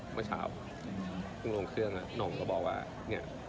เมื่อเช้าเพิ่งลงเครื่องแล้วหนุ่มก็บอกว่าเนี่ย